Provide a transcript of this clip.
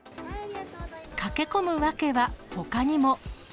駆け込む訳は、ほかにも。